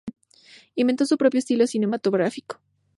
Inventó su propio estilo cinematográfico.